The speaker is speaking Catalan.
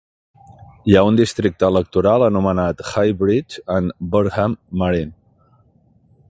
Hi ha un districte electoral anomenat "Highbridge and Burnham Marine".